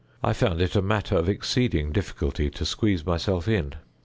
I found it a matter of exceeding difficulty to squeeze myself in.